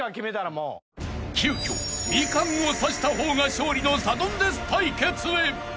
［急きょミカンを刺した方が勝利のサドンデス対決へ］